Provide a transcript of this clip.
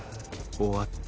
終わった。